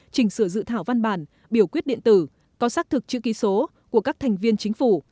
chỉnh sửa dự thảo văn bản biểu quyết điện tử có xác thực chữ ký số của các thành viên chính phủ